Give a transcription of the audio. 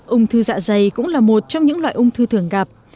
ung thư dạ dày cũng là một trong những loại ung thư thường gặp